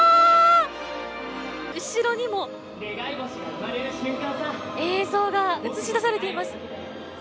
後ろにも映像が映し出されています。